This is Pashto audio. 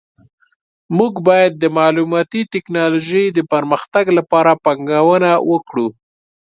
موږ باید د معلوماتي ټکنالوژۍ د پرمختګ لپاره پانګونه وکړو